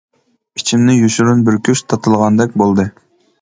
ئىچىمنى يوشۇرۇن بىر كۈچ تاتىلىغاندەك بولدى.